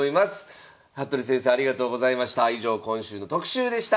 服部先生ありがとうございました。